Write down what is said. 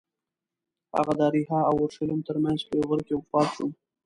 هغه د اریحا او اورشلیم ترمنځ په یوه غره کې وفات شو.